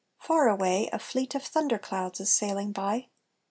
Far away, A fleet of thunder clouds is sailing by.